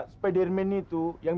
tidak hanya bersama dengan umno